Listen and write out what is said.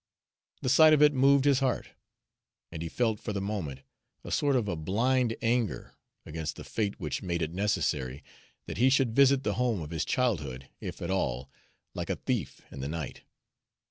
The sight of it moved his heart, and he felt for the moment a sort of a blind anger against the fate which made it necessary that he should visit the home of his childhood, if at all, like a thief in the night.